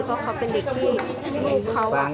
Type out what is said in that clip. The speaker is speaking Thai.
เขาก็ทักว่าถ้าให้ยังไงให้น้องเขามาว่ายลูกพ่อโสธร